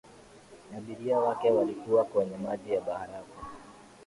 abiria wake wote walikuwa kwenye maji ya barafu